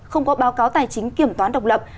không có báo cáo tài chính kiểm toán độc lập